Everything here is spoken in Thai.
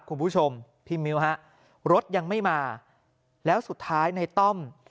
คุณผู้ชมพี่มิ้วฮะรถยังไม่มาแล้วสุดท้ายในต้อม